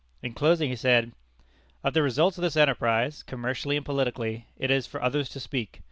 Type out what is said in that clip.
In closing, he said: "Of the results of this enterprise commercially and politically it is for others to speak.